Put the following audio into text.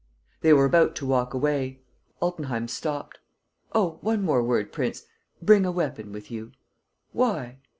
They were about to walk away. Altenheim stopped: "Oh, one word more, prince. Bring a weapon with you." "Why?"